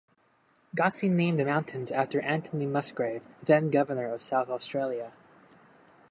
Gosse named the mountains after Anthony Musgrave, then Governor of South Australia.